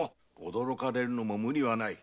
驚かれるのも無理はない。